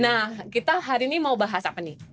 nah kita hari ini mau bahas apa nih